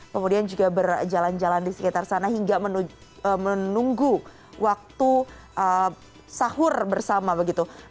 kemudian juga berjalan jalan di sekitar sana hingga menunggu waktu sahur bersama begitu